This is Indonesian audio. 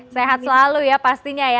sehat selalu ya pastinya ya